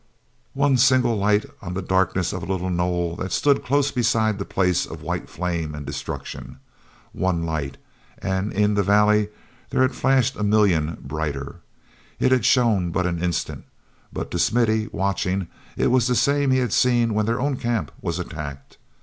ne single light on the darkness of a little knoll that stood close beside this place of white flame and destruction. One light—and in the valley there had flashed a million brighter. It had shone but an instant, but, to Smithy, watching, it was the same he had seen when their own camp was attacked.